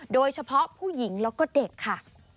โดยเฉพาะผู้หญิงแล้วก็เด็กค่ะ